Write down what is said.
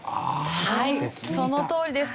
はいそのとおりです。